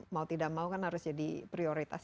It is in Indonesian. mau tidak mau kan harus jadi prioritas